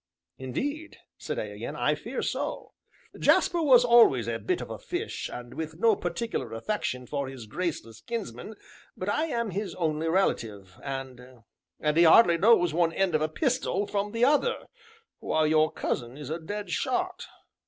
"Indeed," said I again, "I fear so." "Jasper was always a bit of a fish, and with no particular affection for his graceless kinsman, but I am his only relative; and and he hardly knows one end of a pistol from the other, while your cousin is a dead shot."